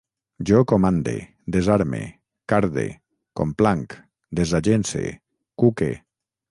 Jo comande, desame, carde, complanc, desagence, cuque